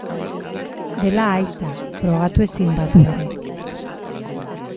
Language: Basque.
Dela aita, frogatu ezin badu ere.